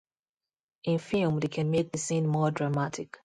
In film, they can make the scene more dramatic.